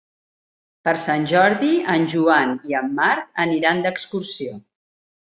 Per Sant Jordi en Joan i en Marc aniran d'excursió.